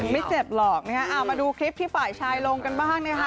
ไม่เจ็บหรอกนะฮะเอามาดูคลิปที่ฝ่ายชายลงกันบ้างนะคะ